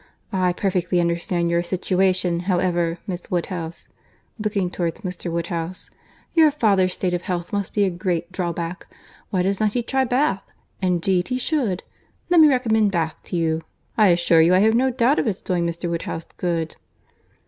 I perfectly understand your situation, however, Miss Woodhouse—(looking towards Mr. Woodhouse), Your father's state of health must be a great drawback. Why does not he try Bath?—Indeed he should. Let me recommend Bath to you. I assure you I have no doubt of its doing Mr. Woodhouse good."